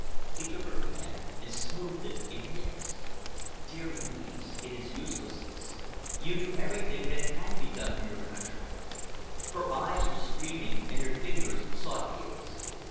He took her hand and smoothed it in his. "Dear Louise, it is useless, this. You do everything that can be done for your country." Her eyes were streaming and her fingers sought his.